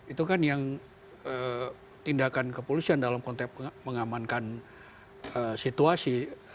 itu kan yang tindakan kepolisian dalam konteks mengamankan situasi